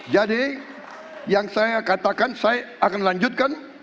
jadi yang saya katakan saya akan lanjutkan